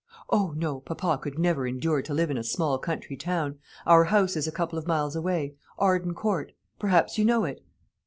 "O, no; papa could never endure to live in a small country town. Our house is a couple of miles away Arden Court; perhaps you know it?"